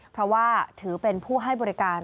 เพราะว่าถือเป็นผู้ให้บริการ